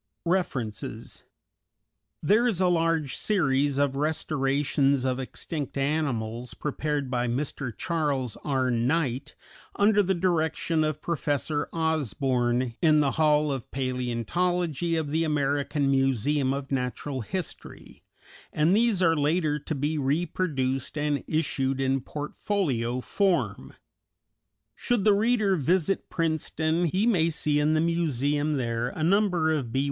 REFERENCES _There is a large series of restorations of extinct animals, prepared by Mr. Charles R. Knight, under the direction of Professor Osborn, in the Hall of Palæontology of the American Museum of Natural History, and these are later to be reproduced and issued in portfolio form._ _Should the reader visit Princeton, he may see in the museum there a number of B.